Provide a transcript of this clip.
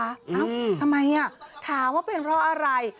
เอ้าทำไมถามว่าเป็นเพราะอะไร